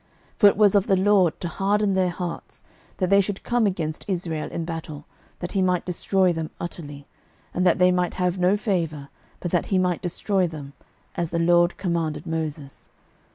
06:011:020 For it was of the LORD to harden their hearts, that they should come against Israel in battle, that he might destroy them utterly, and that they might have no favour, but that he might destroy them, as the LORD commanded Moses.